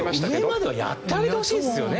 上まではやってあげてほしいですよね！